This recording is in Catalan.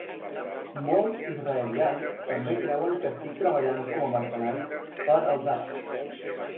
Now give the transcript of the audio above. Molts israelians també creuen que estic treballant com a mercenari per als àrabs.